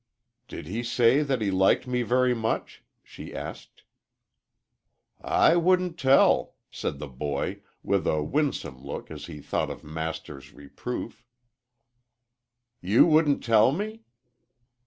"Did he say that he liked me very much?" she asked. "I wouldn't tell," said the boy, with a winsome look as he thought of Master's reproof. "You wouldn't tell me?"